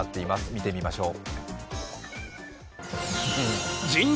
見てみましょう。